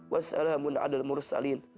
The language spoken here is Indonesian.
wassalamun ala mursalin